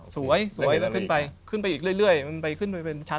สวยสวยแล้วขึ้นไปขึ้นไปอีกเรื่อยมันไปขึ้นไปเป็นชั้น